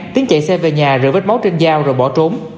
tiến chạy xe về nhà rửa vết máu trên dao rồi bỏ trốn